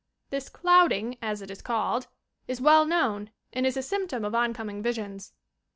This "clouding," as it is called, is well known and is a symp tom of oncoming visions.